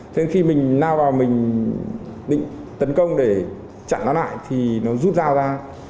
thế nên khi mình lao vào mình định tấn công để chặn nó lại thì nó rút dao ra